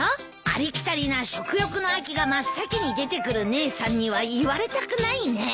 ありきたりな食欲の秋が真っ先に出てくる姉さんには言われたくないね。